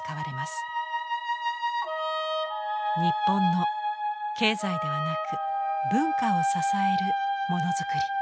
日本の経済ではなく文化を支えるものづくり。